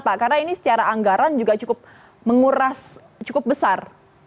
karena ini secara anggaran juga cukup menguras cukup besar